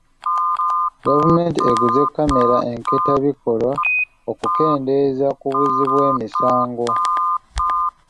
Gavumenti eguze kamera enkettabikolwa okukendeeza ku buzzi bw'emisango.